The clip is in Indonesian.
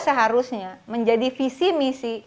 seharusnya menjadi visi misi